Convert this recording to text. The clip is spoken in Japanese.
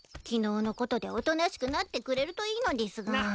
昨日のことでおとなしくなってくれるといいのでぃすが。